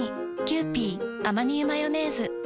「キユーピーアマニ油マヨネーズ」